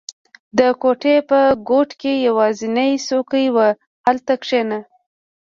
• د کوټې په ګوټ کې یوازینی څوکۍ وه، هلته کښېنه.